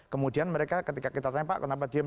kemudian mereka ketika kita tanya pak kenapa diam